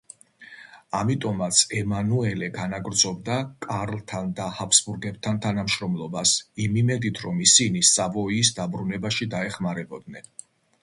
ამიტომაც ემანუელე განაგრძობდა კარლთან და ჰაბსბურგებთან თანამშრომლობას, იმ იმედით, რომ ისინი სავოიის დაბრუნებაში დაეხმარებოდნენ.